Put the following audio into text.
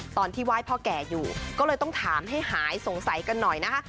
ตอนที่ไหว้พ่อแก่อยู่ก็เลยต้องถามให้หายสงสัยกันหน่อยนะคะ